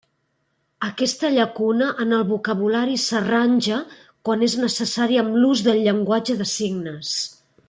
Aquesta llacuna en el vocabulari s'arranja quan és necessari amb l'ús del llenguatge de signes.